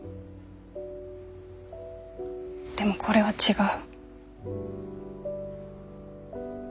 でもこれは違う。